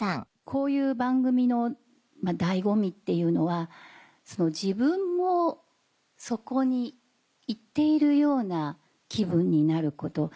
こういう番組の醍醐味っていうのは自分もそこに行っているような気分になること。